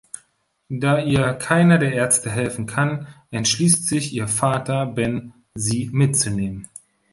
Da ihr keiner der Ärzte helfen kann, entschließt sich ihr Vater Ben sie mitzunehmen.